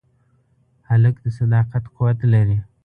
هلک د صداقت قوت لري.